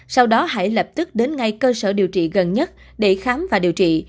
sau đó hãy lập tức đến ngay cơ sở điều trị gần nhất để khám và điều trị